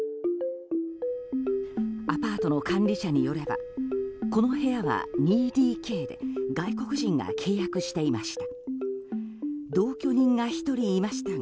アパートの管理者によればこの部屋は２ＤＫで外国人が契約していました。